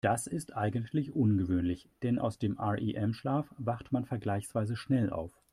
Das ist eigentlich ungewöhnlich, denn aus dem REM-Schlaf wacht man vergleichsweise schnell auf.